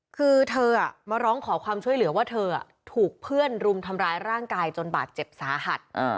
คือเธอมาร้องขอความช่วยเหลือว่าเธอถูกเพื่อนรุมทำร้ายร่างกายจนบาดเจ็บสาหัส